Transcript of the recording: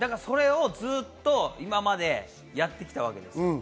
ずっと今までやってきたわけです。